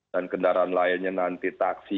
dan kendaraan lainnya nanti taksi